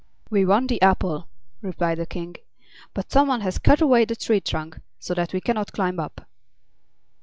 "We want the apple," replied the King, "but some one has cut away the tree trunk, so that we can not climb up."